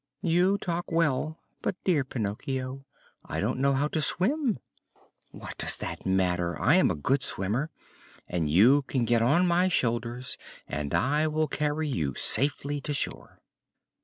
"You talk well; but, dear Pinocchio, I don't know how to swim." "What does that matter? I am a good swimmer, and you can get on my shoulders and I will carry you safely to shore."